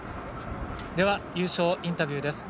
優勝インタビューです。